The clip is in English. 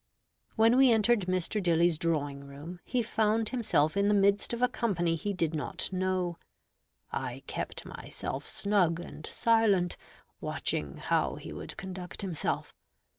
When we entered Mr. Dilly's drawing room, he found himself in the midst of a company he did not know. I kept myself snug and silent, watching how he would conduct himself.